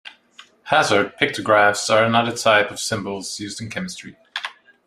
Hazard pictographs are another type of symbols used in chemistry.